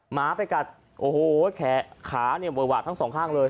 หมาไปกัดโอ้โหแขวนขาโหวะทั้ง๒ข้างเลย